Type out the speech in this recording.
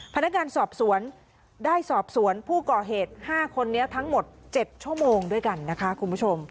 พนักงานสอบสวนได้สอบสวนผู้ก่อเหตุ๕คนนี้ทั้งหมด๗ชั่วโมงด้วยกันนะคะคุณผู้ชม